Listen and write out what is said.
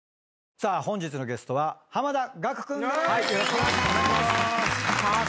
さあ本日のゲストは濱田岳君でーす。